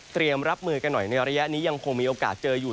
รับมือกันหน่อยในระยะนี้ยังคงมีโอกาสเจออยู่